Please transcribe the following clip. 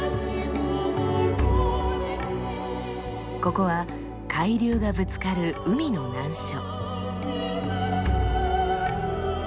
ここは海流がぶつかる海の難所。